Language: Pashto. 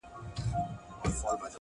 تمرکز نتیجه چټکوي,